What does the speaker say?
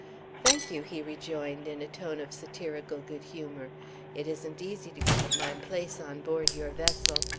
"Thank you!" he rejoined, in a tone of satirical good humor. "It isn't easy to keep my place on board your vessel.